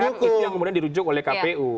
makanya kita lihat itu yang kemudian dirujuk oleh kpu